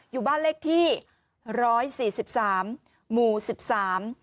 อยู่บ้านเลขที่ร้อยสี่สิบสามหมู่สิบสาม